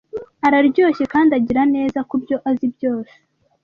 Araryoshye kandi agira neza kubyo azi byose,